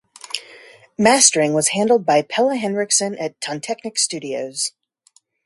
Mastering was handled by Pelle Henricsson at Tonteknik Studios.